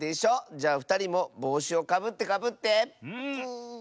じゃあふたりもぼうしをかぶってかぶって。